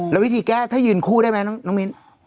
แล้ววิธีแก้ถ้ายืนคู่ได้ไหมน้องมิ้น